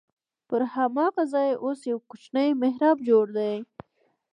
پر هماغه ځای اوس یو کوچنی محراب جوړ دی.